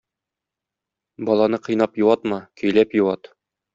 Баланы кыйнап юатма, көйләп юат.